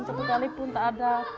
cukup kalipun tak ada